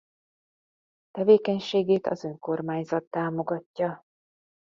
Tevékenységét az önkormányzat támogatja.